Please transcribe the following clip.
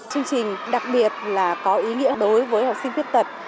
chương trình đặc biệt là có ý nghĩa đối với học sinh khuyết tật